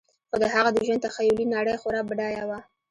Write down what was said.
خو د هغه د ژوند تخیلي نړۍ خورا بډایه وه